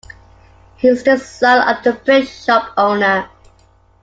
He is the son of a print shop owner.